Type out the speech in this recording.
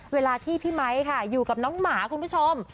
เวลาที่พี่ไมค์ค่ะอยู่กับน้องหมาคุณผู้ชม